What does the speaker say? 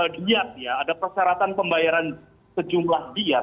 diat ya ada persyaratan pembayaran sejumlah diat